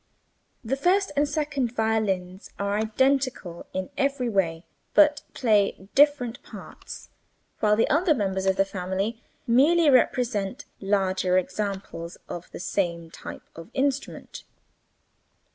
The first and second violins are identical in every way (but play different parts), while the other members of the family merely represent larger examples of the same type of instrument.